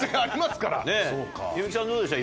弓木ちゃんどうでした？